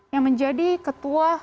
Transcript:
yang menjadi ketua